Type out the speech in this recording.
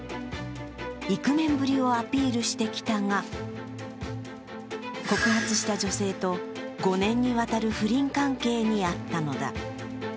イクメンぶりをアピールしてきたが告発した女性と５年にわたる不倫関係にあったのだ。